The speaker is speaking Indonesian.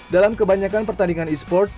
dalam kebanyakan pertandingan esports